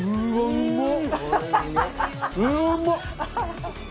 うまっ！